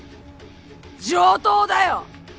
上等だよ！